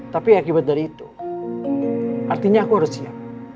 tapi akibat dari itu artinya aku harus siap